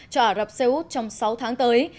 cho ả rập xê út trong sáu tháng tới